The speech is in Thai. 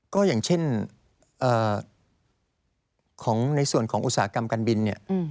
ก็อย่างเช่นในส่วนของอุตสาหกรรมการบิน